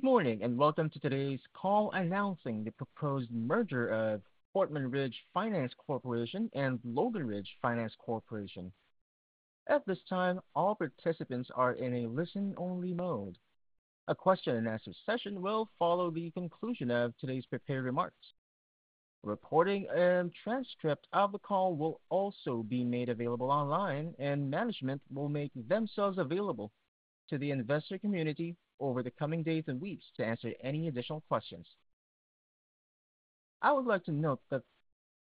Good morning and welcome to today's call announcing the proposed merger of Portman Ridge Finance Corporation and Logan Ridge Finance Corporation. At this time, all participants are in a listen-only mode. A question-and-answer session will follow the conclusion of today's prepared remarks. Recording and transcript of the call will also be made available online, and management will make themselves available to the investor community over the coming days and weeks to answer any additional questions. I would like to note that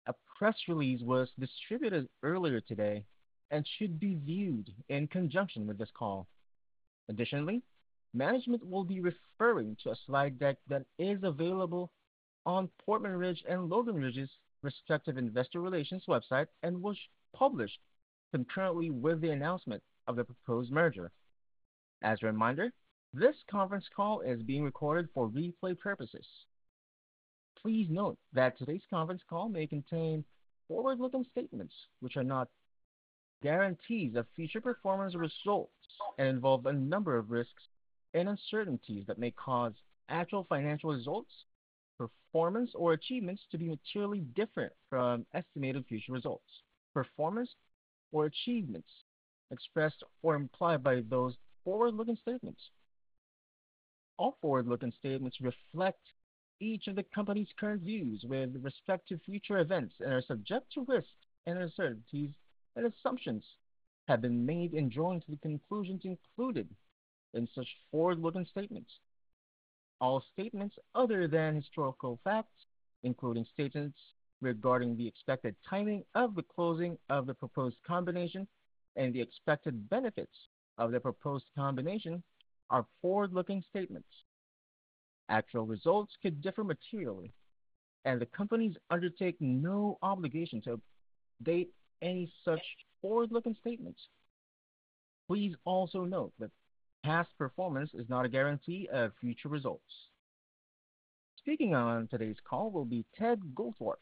a press release was distributed earlier today and should be viewed in conjunction with this call. Additionally, management will be referring to a slide deck that is available on Portman Ridge and Logan Ridge's respective investor relations website and was published concurrently with the announcement of the proposed merger. As a reminder, this conference call is being recorded for replay purposes. Please note that today's conference call may contain forward-looking statements which are not guarantees of future performance results and involve a number of risks and uncertainties that may cause actual financial results, performance, or achievements to be materially different from estimated future results, performance or achievements expressed or implied by those forward-looking statements. All forward-looking statements reflect each of the company's current views with respect to future events and are subject to risks and uncertainties, and assumptions have been made in drawing those conclusions included in such forward-looking statements. All statements other than historical facts, including statements regarding the expected timing of the closing of the proposed combination and the expected benefits of the proposed combination, are forward-looking statements. Actual results could differ materially, and the companies undertake no obligation to update any such forward-looking statements. Please also note that past performance is not a guarantee of future results. Speaking on today's call will be Ted Goldthorpe,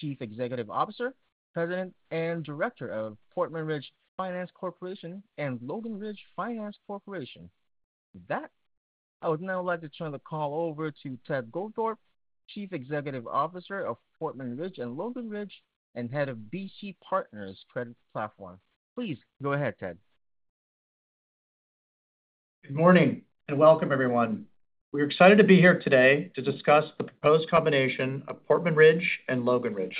Chief Executive Officer, President, and Director of Portman Ridge Finance Corporation and Logan Ridge Finance Corporation. With that, I would now like to turn the call over to Ted Goldthorpe, Chief Executive Officer of Portman Ridge and Logan Ridge and head of BC Partners Credit Platform. Please go ahead, Ted. Good morning and welcome, everyone. We're excited to be here today to discuss the proposed combination of Portman Ridge and Logan Ridge.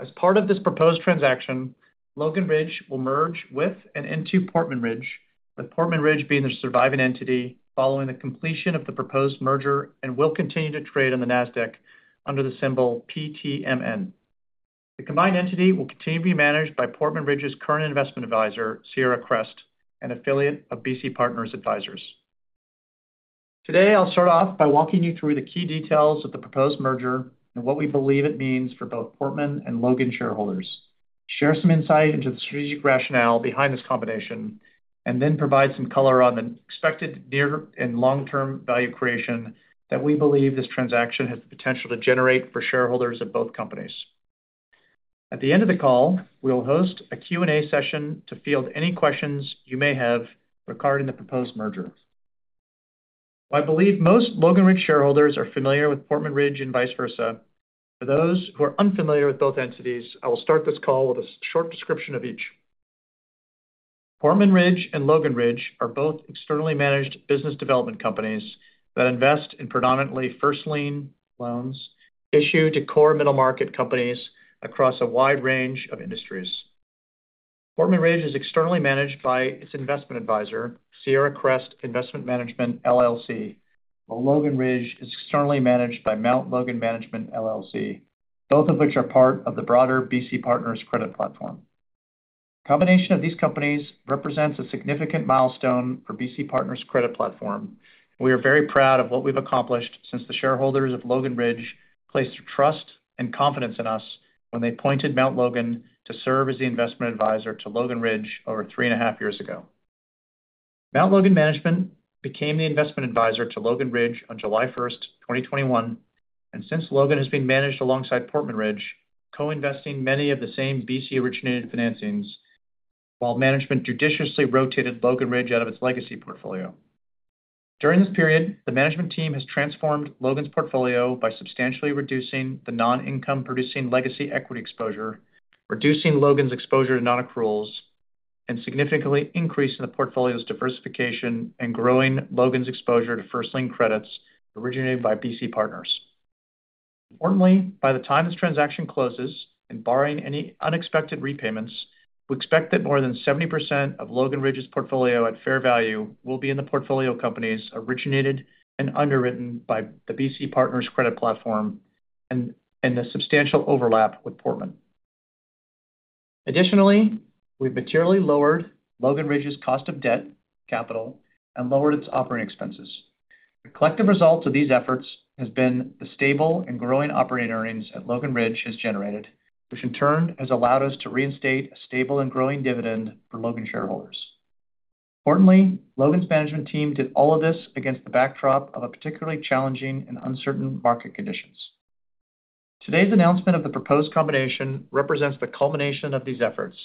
As part of this proposed transaction, Logan Ridge will merge with and into Portman Ridge, with Portman Ridge being the surviving entity following the completion of the proposed merger and will continue to trade on the Nasdaq under the symbol PTMN. The combined entity will continue to be managed by Portman Ridge's current investment advisor, Sierra Crest, an affiliate of BC Partners Advisors. Today, I'll start off by walking you through the key details of the proposed merger and what we believe it means for both Portman and Logan shareholders, share some insight into the strategic rationale behind this combination, and then provide some color on the expected near and long-term value creation that we believe this transaction has the potential to generate for shareholders of both companies. At the end of the call, we'll host a Q&A session to field any questions you may have regarding the proposed merger. I believe most Logan Ridge shareholders are familiar with Portman Ridge and vice versa. For those who are unfamiliar with both entities, I will start this call with a short description of each. Portman Ridge and Logan Ridge are both externally managed business development companies that invest in predominantly first-lien loans issued to core middle-market companies across a wide range of industries. Portman Ridge is externally managed by its investment advisor, Sierra Crest Investment Management LLC, while Logan Ridge is externally managed by Mount Logan Management LLC, both of which are part of the broader BC Partners Credit Platform. The combination of these companies represents a significant milestone for BC Partners Credit Platform, and we are very proud of what we've accomplished since the shareholders of Logan Ridge placed their trust and confidence in us when they appointed Mount Logan to serve as the investment advisor to Logan Ridge over three and a half years ago. Mount Logan Management became the investment advisor to Logan Ridge on July 1st, 2021, and since Logan has been managed alongside Portman Ridge, co-investing many of the same BC-originated financings while management judiciously rotated Logan Ridge out of its legacy portfolio. During this period, the management team has transformed Logan's portfolio by substantially reducing the non-income-producing legacy equity exposure, reducing Logan's exposure to non-accruals, and significantly increasing the portfolio's diversification and growing Logan's exposure to first-lien credits originated by BC Partners. Importantly, by the time this transaction closes and barring any unexpected repayments, we expect that more than 70% of Logan Ridge's portfolio at fair value will be in the portfolio companies originated and underwritten by the BC Partners Credit Platform and in a substantial overlap with Portman Ridge. Additionally, we've materially lowered Logan Ridge's cost of debt capital and lowered its operating expenses. The collective result of these efforts has been the stable and growing operating earnings that Logan Ridge has generated, which in turn has allowed us to reinstate a stable and growing dividend for Logan shareholders. Importantly, Logan's management team did all of this against the backdrop of particularly challenging and uncertain market conditions. Today's announcement of the proposed combination represents the culmination of these efforts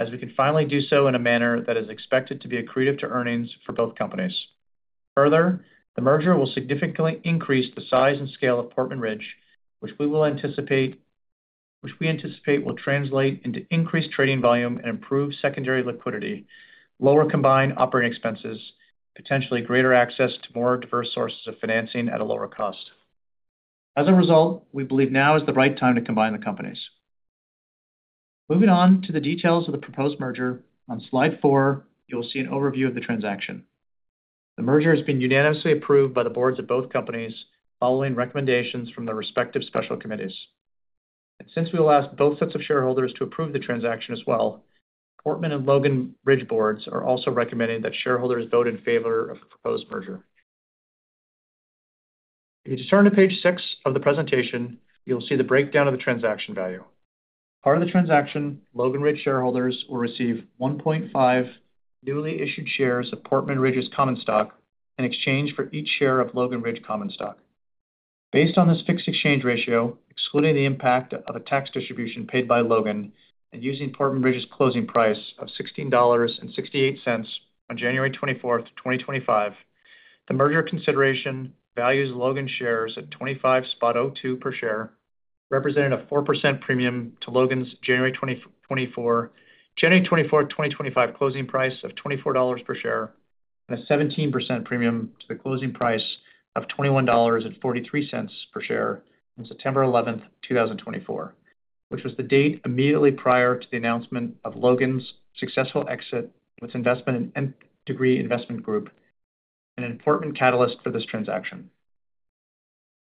as we can finally do so in a manner that is expected to be accretive to earnings for both companies. Further, the merger will significantly increase the size and scale of Portman Ridge, which we anticipate will translate into increased trading volume and improved secondary liquidity, lower combined operating expenses, potentially greater access to more diverse sources of financing at a lower cost. As a result, we believe now is the right time to combine the companies. Moving on to the details of the proposed merger, on slide four, you'll see an overview of the transaction. The merger has been unanimously approved by the boards of both companies following recommendations from their respective special committees and since we'll ask both sets of shareholders to approve the transaction as well, Portman and Logan Ridge boards are also recommending that shareholders vote in favor of the proposed merger. If you turn to page six of the presentation, you'll see the breakdown of the transaction value. Part of the transaction, Logan Ridge shareholders will receive 1.5 newly issued shares of Portman Ridge's common stock in exchange for each share of Logan Ridge common stock. Based on this fixed exchange ratio, excluding the impact of a tax distribution paid by Logan and using Portman Ridge's closing price of $16.68 on January 24th, 2025, the merger consideration values Logan's shares at $25.02 per share, representing a 4% premium to Logan's January 24, 2025 closing price of $24 per share, and a 17% premium to the closing price of $21.43 per share on September 11th, 2024, which was the date immediately prior to the announcement of Logan's successful exit with Nth Degree investment group and an important catalyst for this transaction.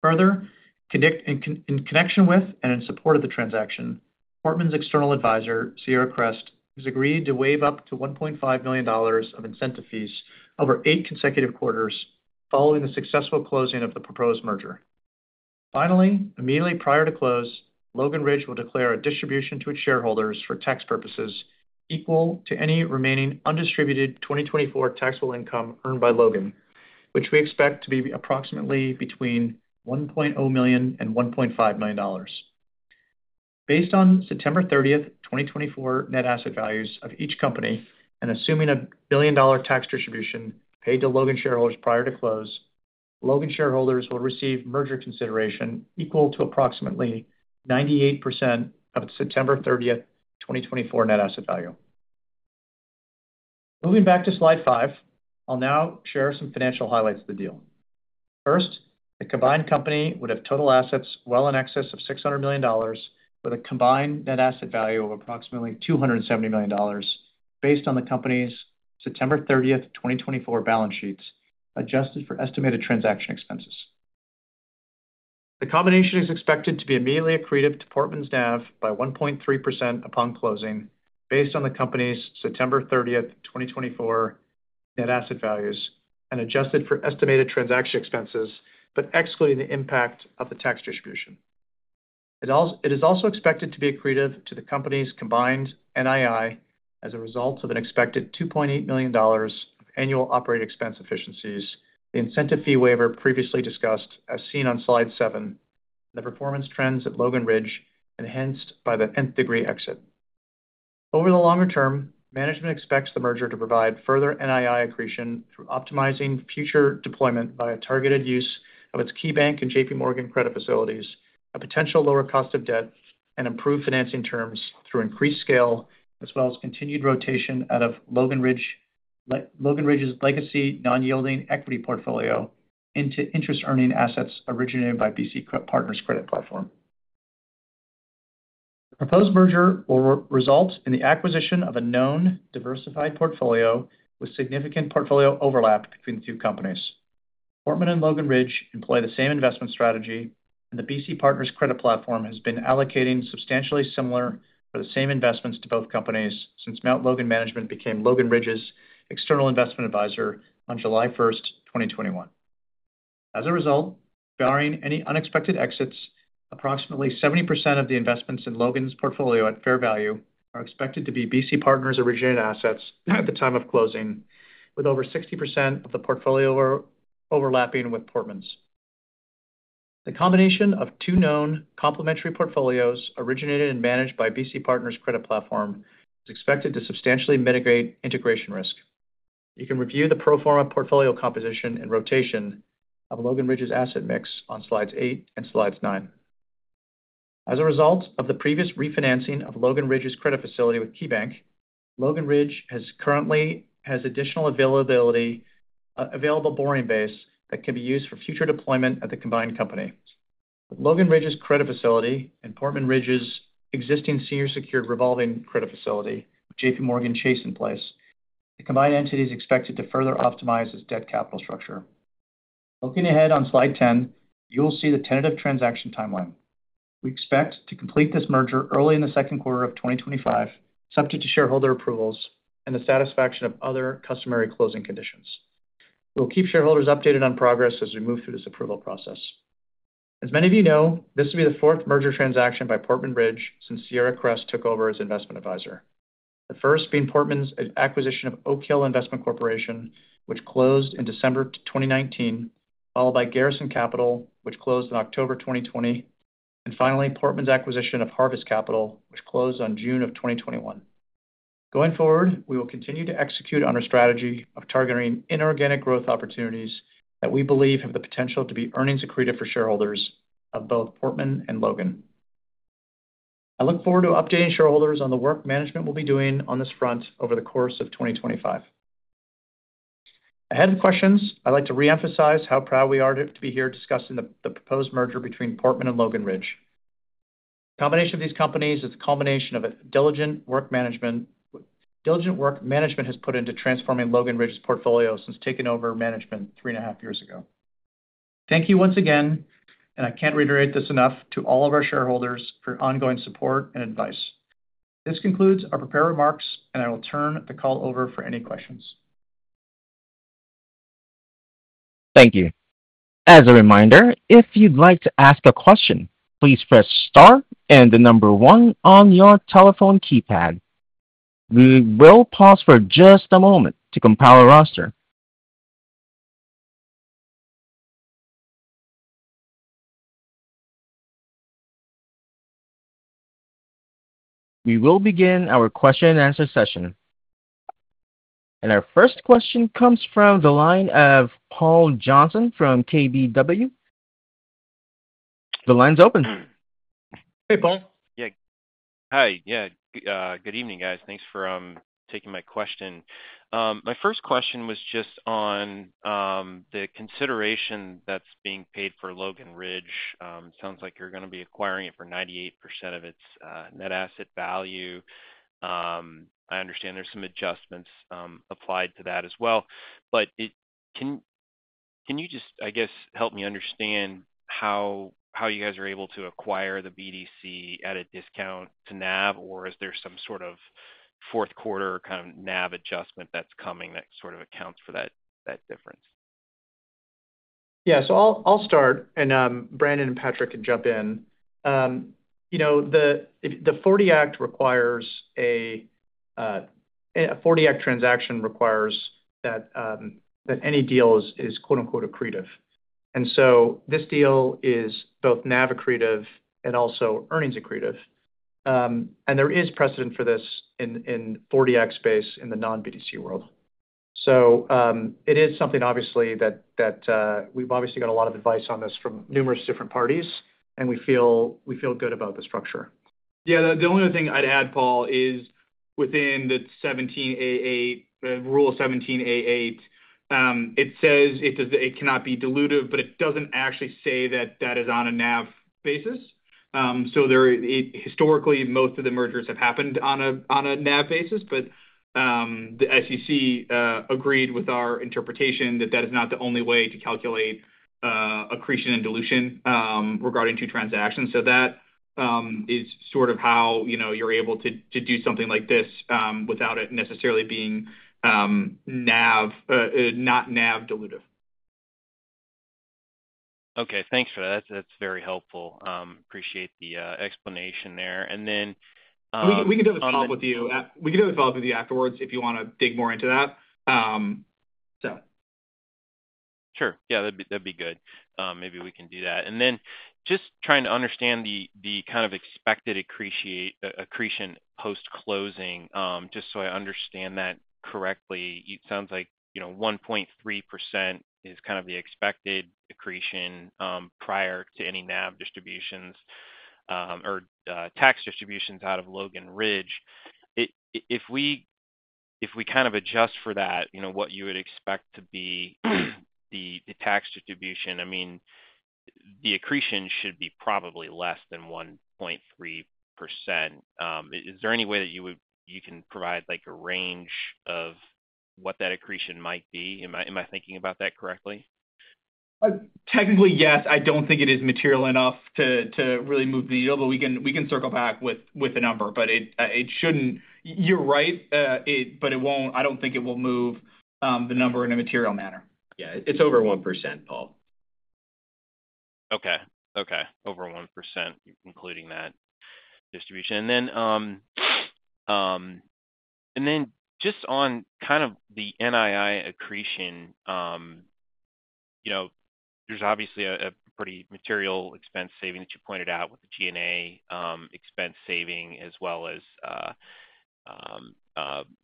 Further, in connection with and in support of the transaction, Portman Ridge's external advisor, Sierra Crest, has agreed to waive up to $1.5 million of incentive fees over eight consecutive quarters following the successful closing of the proposed merger. Finally, immediately prior to close, Logan Ridge will declare a distribution to its shareholders for tax purposes equal to any remaining undistributed 2024 taxable income earned by Logan, which we expect to be approximately between $1.0 million and $1.5 million. Based on September 30th, 2024 net asset values of each company and assuming a billion-dollar tax distribution paid to Logan shareholders prior to close, Logan shareholders will receive merger consideration equal to approximately 98% of its September 30th, 2024 net asset value. Moving back to slide five, I'll now share some financial highlights of the deal. First, the combined company would have total assets well in excess of $600 million with a combined net asset value of approximately $270 million based on the company's September 30th, 2024 balance sheets adjusted for estimated transaction expenses. The combination is expected to be immediately accretive to Portman Ridge's NAV by 1.3% upon closing based on the company's September 30th, 2024 net asset values and adjusted for estimated transaction expenses, but excluding the impact of the tax distribution. It is also expected to be accretive to the company's combined NII as a result of an expected $2.8 million of annual operating expense efficiencies, the incentive fee waiver previously discussed as seen on slide seven, the performance trends at Logan Ridge enhanced by the Nth Degree exit. Over the longer term, management expects the merger to provide further NII accretion through optimizing future deployment via targeted use of its KeyBank and JPMorgan credit facilities, a potential lower cost of debt, and improved financing terms through increased scale, as well as continued rotation out of Logan Ridge's legacy non-yielding equity portfolio into interest-earning assets originated by BC Partners Credit Platform. The proposed merger will result in the acquisition of a known diversified portfolio with significant portfolio overlap between the two companies. Portman and Logan Ridge employ the same investment strategy, and the BC Partners Credit Platform has been allocating substantially similar or the same investments to both companies since Mount Logan Management became Logan Ridge's external investment advisor on July 1st, 2021. As a result, barring any unexpected exits, approximately 70% of the investments in Logan's portfolio at fair value are expected to be BC Partners-originated assets at the time of closing, with over 60% of the portfolio overlapping with Portman's. The combination of two known complementary portfolios originated and managed by BC Partners Credit Platform is expected to substantially mitigate integration risk. You can review the pro forma portfolio composition and rotation of Logan Ridge's asset mix on slides eight and slides nine. As a result of the previous refinancing of Logan Ridge's credit facility with KeyBank, Logan Ridge has additional available borrowing base that can be used for future deployment at the combined company. With Logan Ridge's credit facility and Portman Ridge's existing senior secured revolving credit facility with JPMorgan Chase in place, the combined entity is expected to further optimize its debt capital structure. Looking ahead on slide 10, you'll see the tentative transaction timeline. We expect to complete this merger early in the second quarter of 2025, subject to shareholder approvals and the satisfaction of other customary closing conditions. We'll keep shareholders updated on progress as we move through this approval process. As many of you know, this will be the fourth merger transaction by Portman Ridge since Sierra Crest took over as investment advisor. The first being Portman's acquisition of Oak Hill Investment Corporation, which closed in December 2019, followed by Garrison Capital, which closed in October 2020, and finally, Portman's acquisition of Harvest Capital, which closed in June 2021. Going forward, we will continue to execute on our strategy of targeting inorganic growth opportunities that we believe have the potential to be earnings-accretive for shareholders of both Portman and Logan. I look forward to updating shareholders on the work management will be doing on this front over the course of 2025. Ahead of questions, I'd like to re-emphasize how proud we are to be here discussing the proposed merger between Portman Ridge and Logan Ridge. The combination of these companies is a combination of diligent work management has put into transforming Logan Ridge's portfolio since taking over management three and a half years ago. Thank you once again, and I can't reiterate this enough to all of our shareholders for ongoing support and advice. This concludes our prepared remarks, and I will turn the call over for any questions. Thank you. As a reminder, if you'd like to ask a question, please press star and the number one on your telephone keypad. We will pause for just a moment to compile a roster. We will begin our question and answer session, and our first question comes from the line of Paul Johnson from KBW. The line's open. Hey, Paul. Yeah. Hi. Yeah. Good evening, guys. Thanks for taking my question. My first question was just on the consideration that's being paid for Logan Ridge. It sounds like you're going to be acquiring it for 98% of its net asset value. I understand there's some adjustments applied to that as well. But can you just, I guess, help me understand how you guys are able to acquire the BDC at a discount to NAV, or is there some sort of fourth quarter kind of NAV adjustment that's coming that sort of accounts for that difference? Yeah. So I'll start, and Brandon and Patrick can jump in. The 40 Act requires a 40 Act transaction requires that any deal is "accretive." So this deal is both NAV-accretive and also earnings-accretive and there is precedent for this in 40 Act space in the non-BDC world. So it is something, obviously, that we've obviously got a lot of advice on this from numerous different parties, and we feel good about the structure. Yeah. The only other thing I'd add, Paul, is within the Rule 17a-8, it says it cannot be dilutive, but it doesn't actually say that that is on a NAV basis. So historically, most of the mergers have happened on a NAV basis, but the SEC agreed with our interpretation that is not the only way to calculate accretion and dilution regarding two transactions. So that is sort of how you're able to do something like this without it necessarily being not NAV-dilutive. Okay. Thanks for that. That's very helpful. Appreciate the explanation there, and then- We can do a follow-up with you afterwards if you want to dig more into that, so. Sure. Yeah. That'd be good. Maybe we can do that. Then just trying to understand the kind of expected accretion post-closing, just so I understand that correctly, it sounds like 1.3% is kind of the expected accretion prior to any NAV distributions or tax distributions out of Logan Ridge. If we kind of adjust for that, what you would expect to be the tax distribution, I mean, the accretion should be probably less than 1.3%. Is there any way that you can provide a range of what that accretion might be? Am I thinking about that correctly? Technically, yes. I don't think it is material enough to really move the needle, but we can circle back with a number. But you're right, but I don't think it will move the number in a material manner. Yeah. It's over 1%, Paul. Okay. Okay. Over 1%, including that distribution. Then just on kind of the NII accretion, there's obviously a pretty material expense saving that you pointed out with the G&A expense saving, as well as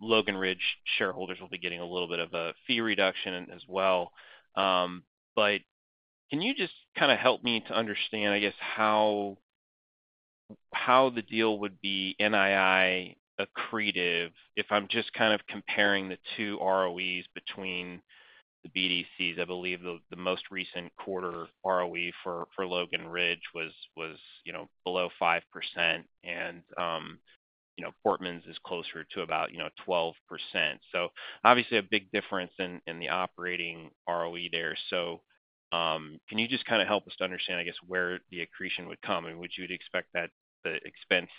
Logan Ridge shareholders will be getting a little bit of a fee reduction as well. But can you just kind of help me to understand, I guess, how the deal would be NII-accretive if I'm just kind of comparing the two ROEs between the BDCs? I believe the most recent quarter ROE for Logan Ridge was below 5%, and Portman's is closer to about 12%. So obviously, a big difference in the operating ROE there. So can you just kind of help us to understand, I guess, where the accretion would come and would you expect that the expense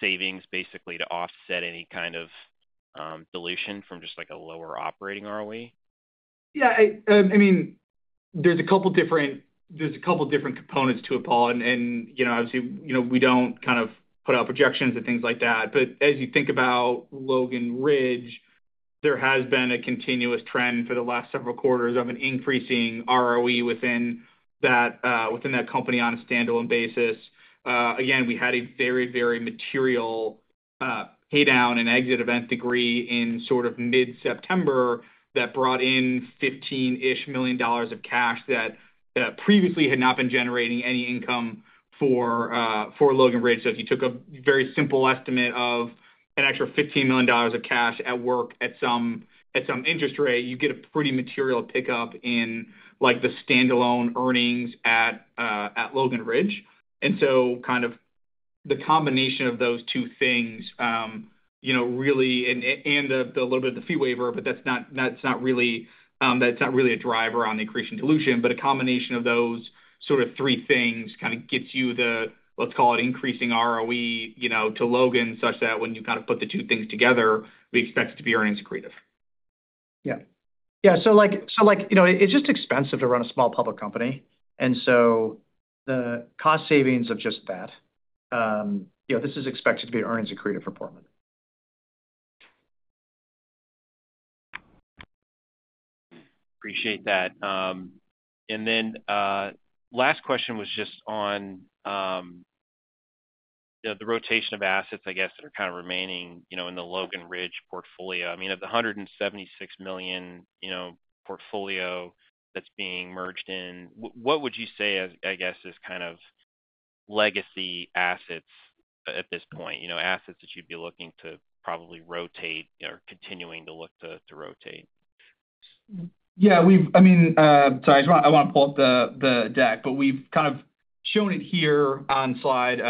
savings, basically, to offset any kind of dilution from just a lower operating ROE? Yeah. I mean, there's a couple different components to it, Paul. Obviously, we don't kind of put out projections and things like that. But as you think about Logan Ridge, there has been a continuous trend for the last several quarters of an increasing ROE within that company on a standalone basis. Again, we had a very, very material paydown and exit event at Nth Degree in sort of mid-September that brought in $15 million of cash that previously had not been generating any income for Logan Ridge. So if you took a very simple estimate of an extra $15 million of cash at work at some interest rate, you get a pretty material pickup in the standalone earnings at Logan Ridge. So kind of the combination of those two things really and the little bit of the fee waiver, but that's not really a driver on the accretion dilution, but a combination of those sort of three things kind of gets you the, let's call it, increasing ROE to Logan such that when you kind of put the two things together, we expect it to be earnings-accretive. Yeah. Yeah. So it's just expensive to run a small public company. So the cost savings of just that, this is expected to be earnings-accretive for Portman. Appreciate that. Then last question was just on the rotation of assets, I guess, that are kind of remaining in the Logan Ridge portfolio. I mean, of the $176 million portfolio that's being merged in, what would you say, I guess, is kind of legacy assets at this point, assets that you'd be looking to probably rotate or continuing to look to rotate? Yeah. I mean, sorry, I want to pull up the deck, but we've kind of shown it here on slide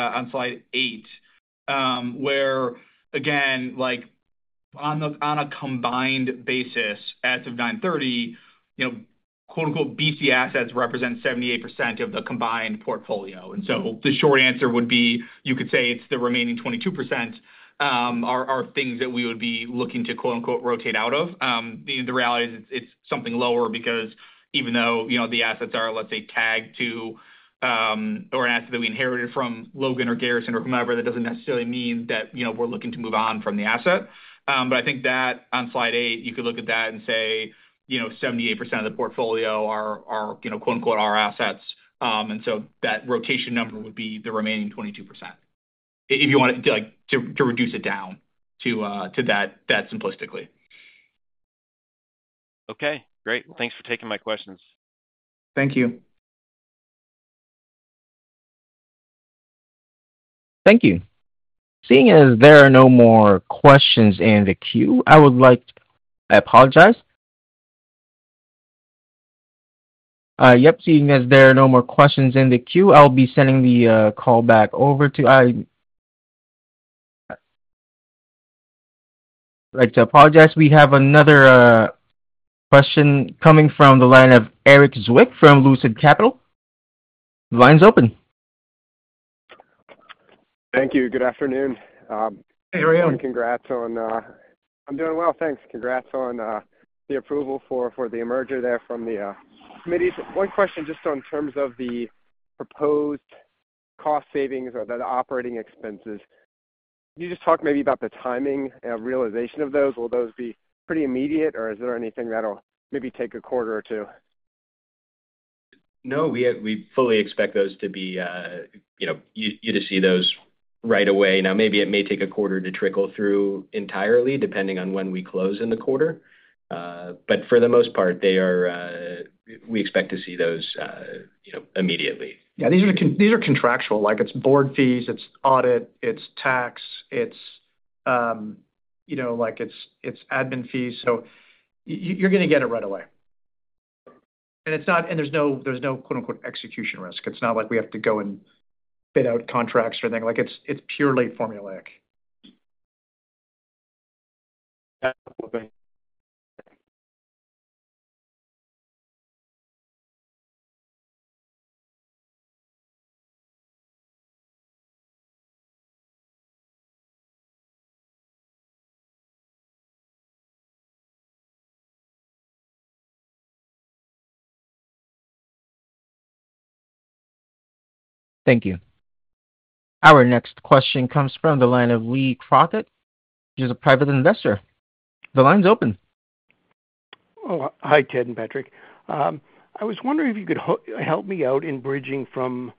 eight, where, again, on a combined basis, as of 9/30, "BC assets represent 78% of the combined portfolio." So the short answer would be you could say it's the remaining 22% are things that we would be looking to "rotate out of." The reality is it's something lower because even though the assets are, let's say, tagged to or an asset that we inherited from Logan or Garrison or whomever, that doesn't necessarily mean that we're looking to move on from the asset. But I think that on slide eight, you could look at that and say 78% of the portfolio are "our assets." So that rotation number would be the remaining 22% if you want to reduce it down to that simplistically. Okay. Great. Thanks for taking my questions. Thank you. Thank you. Seeing as there are no more questions in the queue, I'll be sending the call back over to—I'd like to apologize. We have another question coming from the line of Eric Zwick from Lucid Capital. The line's open. Thank you. Good afternoon. Hey, how are you? I'm doing well. Thanks. Congrats on the approval for the merger there from the committees. One question just in terms of the proposed cost savings or the operating expenses. Can you just talk maybe about the timing and realization of those? Will those be pretty immediate, or is there anything that'll maybe take a quarter or two? No. We fully expect those for you to see those right away. Now, maybe it may take a quarter to trickle through entirely, depending on when we close in the quarter, but for the most part, we expect to see those immediately. Yeah. These are contractual. It's board fees. It's audit. It's tax. It's admin fees. So you're going to get it right away and there's no "execution risk." It's not like we have to go and bid out contracts or anything. It's purely formulaic. Okay. Thank you. Our next question comes from the line of Lee Crockett, who's a private investor. The line's open. Hi, Ted and Patrick. I was wondering if you could help me out in bridging from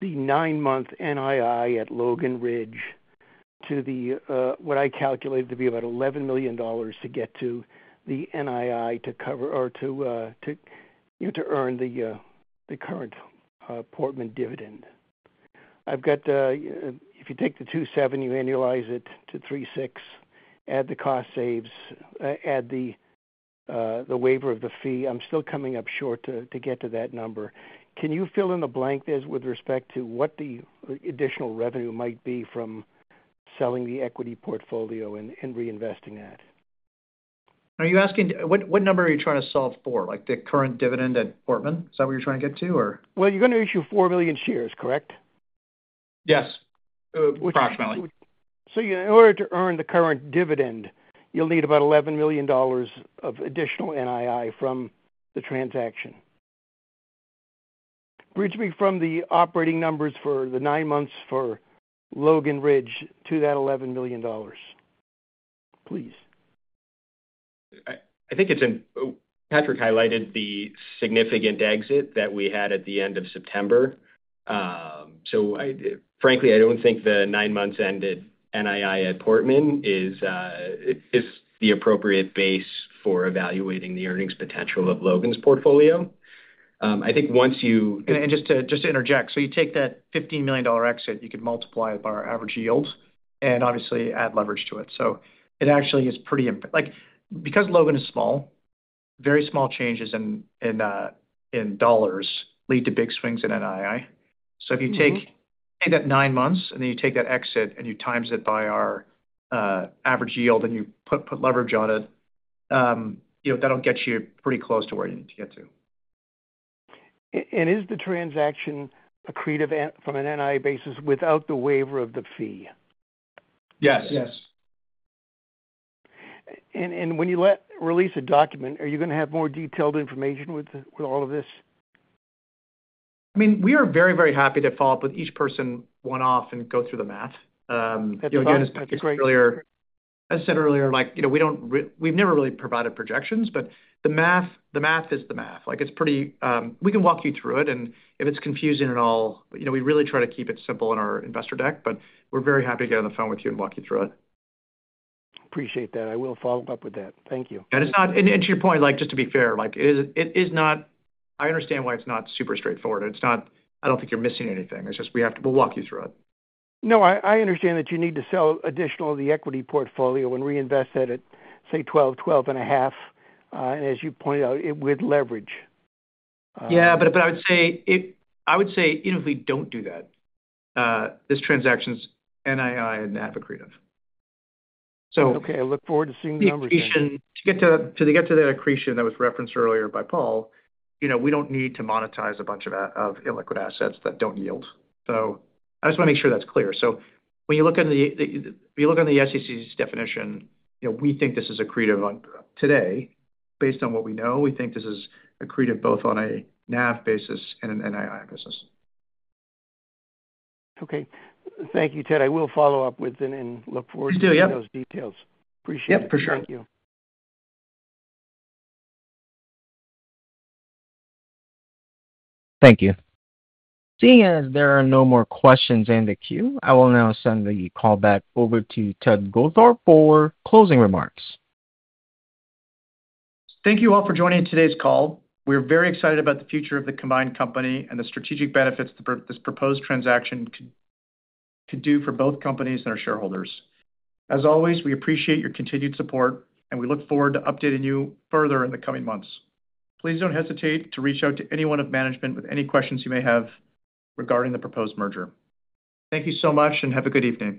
the nine-month NII at Logan Ridge to what I calculated to be about $11 million to get to the NII to cover or to earn the current Portman dividend. I've got—if you take the 270, annualize it to 36, add the cost saves, add the waiver of the fee, I'm still coming up short to get to that number. Can you fill in the blank there with respect to what the additional revenue might be from selling the equity portfolio and reinvesting that? Are you asking what number are you trying to solve for? The current dividend at Portman? Is that what you're trying to get to, or? You're going to issue four million shares, correct? Yes. Approximately. So in order to earn the current dividend, you'll need about $11 million of additional NII from the transaction. Bridge me from the operating numbers for the nine months for Logan Ridge to that $11 million, please. I think Patrick highlighted the significant exit that we had at the end of September. So frankly, I don't think the nine-month-ended NII at Portman is the appropriate base for evaluating the earnings potential of Logan's portfolio. I think once you— Just to interject, so you take that $15 million exit, you could multiply it by our average yield and obviously add leverage to it. So it actually is pretty, because Logan is small, very small changes in dollars lead to big swings in NII. So if you take that nine months and then you take that exit and you times it by our average yield and you put leverage on it, that'll get you pretty close to where you need to get to. Is the transaction accretive from an NII basis without the waiver of the fee? Yes. Yes. When you release a document, are you going to have more detailed information with all of this? I mean, we are very, very happy to follow up with each person one-off and go through the math. Again, as Patrick said earlier, as I said earlier, we've never really provided projections, but the math is the math. We can walk you through it, and if it's confusing at all, we really try to keep it simple in our investor deck, but we're very happy to get on the phone with you and walk you through it. Appreciate that. I will follow up with that. Thank you. To your point, just to be fair, I understand why it's not super straightforward. I don't think you're missing anything. It's just we'll walk you through it. No, I understand that you need to sell additional of the equity portfolio and reinvest at, say, 12, 12 and a half, and as you pointed out, with leverage. Yeah, but I would say even if we don't do that, this transaction's NII and NAV-accretive. So. Okay. I look forward to seeing the numbers. To get to that accretion that was referenced earlier by Paul, we don't need to monetize a bunch of illiquid assets that don't yield, so I just want to make sure that's clear, so when you look on the SEC's definition, we think this is accretive today. Based on what we know, we think this is accretive both on a NAV basis and an NII basis. Okay. Thank you, Ted. I will follow up with and look forward to seeing those details. You do. Yep. Appreciate it. Yep. For sure. Thank you. Thank you. Seeing as there are no more questions in the queue, I will now send the call back over to Ted Goldthorpe for closing remarks. Thank you all for joining today's call. We are very excited about the future of the combined company and the strategic benefits this proposed transaction could do for both companies and our shareholders. As always, we appreciate your continued support, and we look forward to updating you further in the coming months. Please don't hesitate to reach out to anyone of management with any questions you may have regarding the proposed merger. Thank you so much, and have a good evening.